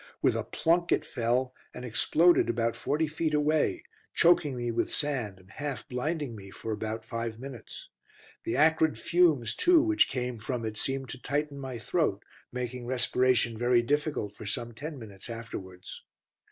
With a plunk it fell, and exploded about forty feet away, choking me with sand and half blinding me for about five minutes. The acrid fumes, too, which came from it, seemed to tighten my throat, making respiration very difficult for some ten minutes afterwards.